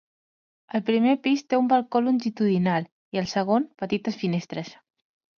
El primer pis té un balcó longitudinal i el segon, petites finestres.